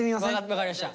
分かりました。